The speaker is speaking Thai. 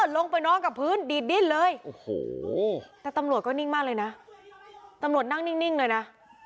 ลงไปนอนกับพื้นดีดดิ้นเลยโอ้โหแต่ตำรวจก็นิ่งมากเลยนะตำรวจนั่งนิ่งเลยนะ